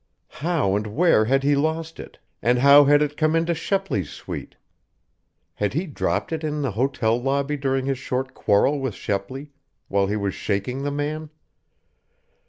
How and where had he lost it, and how had it come into Shepley's suite? Had he dropped it in the hotel lobby during his short quarrel with Shepley, while he was shaking the man?